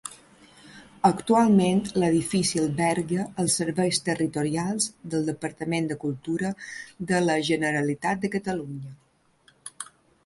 Actualment l'edifici alberga els serveis territorials del Departament de Cultura de la Generalitat de Catalunya.